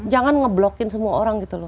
jangan ngeblokin semua orang gitu loh